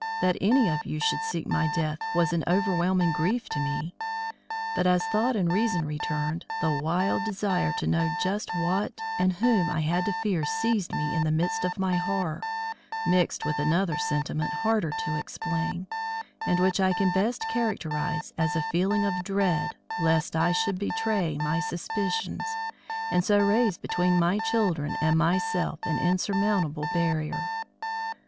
That any of you should seek my death was an overwhelming grief to me. But as thought and reason returned, the wild desire to know just what and whom I had to fear seized me in the midst of my horror, mixed with another sentiment harder to explain, and which I can best characterise as a feeling of dread lest I should betray my suspicions and so raise between my children and myself an insurmountable barrier.